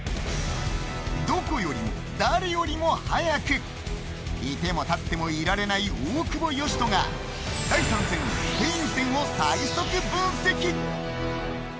どこよりも誰よりも早く居ても立ってもいられない大久保嘉人が第３戦、スペイン戦を最速分析。